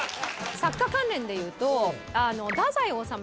作家関連でいうと。